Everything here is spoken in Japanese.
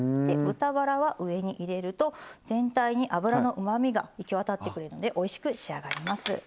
豚バラは上に入れると全体に脂のうまみが行き渡ってくれるのでおいしく仕上がります。